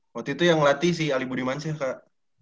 waktu itu yang ngelatih sih ali budi mansir kak